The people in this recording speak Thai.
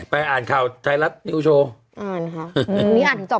ไปอ่านข่าวใจลักษณ์นิ้วโชว์อ่านะฮะอืมนี่อ่าถึงตอบ